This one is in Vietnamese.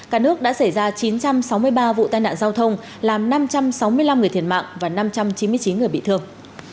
cả nước đã xảy ra chín trăm sáu mươi ba vụ tai nạn giao thông làm năm trăm sáu mươi năm người thiệt mạng và năm trăm chín mươi chín người bị thương